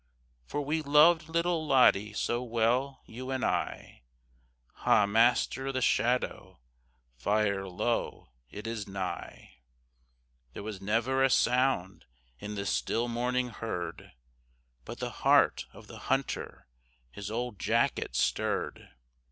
For we loved little Lottie so well, you and I. Ha, master, the shadow! Fire low it is nigh There was never a sound in the still morning heard, But the heart of the hunter his old jacket stirred.